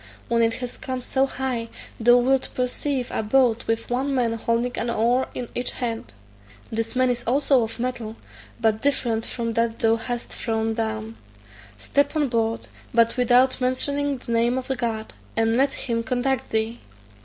When it has come so high, thou wilt perceive a boat with one man holding an oar in each hand; this man is also of metal, but different from that thou hast thrown down; step on board, but without mentioning the name of God, and let him conduct thee.